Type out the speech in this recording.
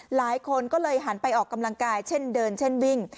หลายคนก็เลยหันไปออกกำลังกายเช่นเดินเช่นวิ่ง